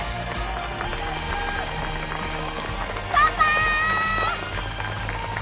パパ！